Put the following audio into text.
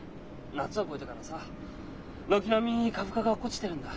夏を越えてからさ軒並み株価が落っこちてるんだ。